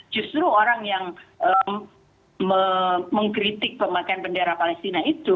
justru orang yang mengkritik pemakaian bendera palestina itu